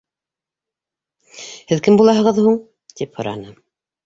— Һеҙ кем булаһығыҙ һуң? — тип һораны.